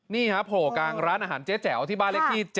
นี่ฮะโผล่กลางร้านอาหารเจ๊แจ๋วที่บ้านเลขที่๗